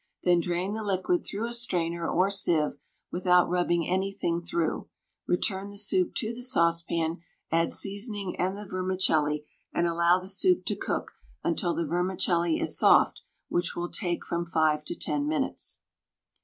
Then drain the liquid through a strainer or sieve without rubbing anything through; return the soup to the saucepan, add seasoning and the vermicelli, and allow the soup to cook until the vermicelli is soft, which will take from 5 to 10 minutes.